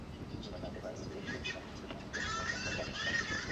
মিলনায়তনের বাইরের বিরাট শব্দযন্ত্র থেকে সংগীত পৌঁছে যায় শংকর বাসস্ট্যান্ড পর্যন্ত।